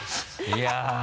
いや。